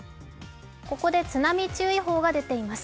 ここで津波注意報が出ています。